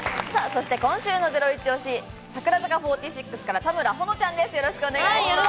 そして今週のゼロイチ推し、櫻坂４６から田村保乃ちゃんです。